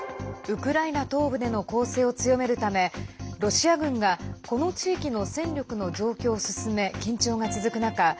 ウクライナ東部での攻勢を強めるためロシア軍が、この地域の戦力の増強を進め緊張が続く中